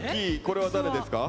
これは誰ですか？